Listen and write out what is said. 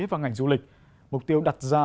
và ngành du lịch mục tiêu đặt ra